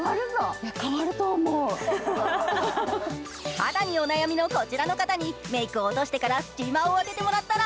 肌にお悩みのこちらの方に、メークを落としてからスチーマーを当ててもらったら。